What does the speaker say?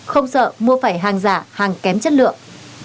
hàng giả hàng kém chất lượng